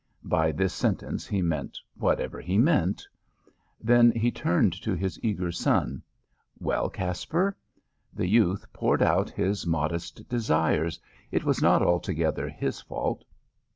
By this sentence he meant whatever he meant. Then he turned to his eager son. "Well, Caspar?" The youth poured out his modest desires. It was not altogether his fault.